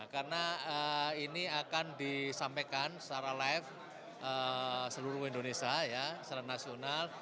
karena ini akan disampaikan secara live seluruh indonesia secara nasional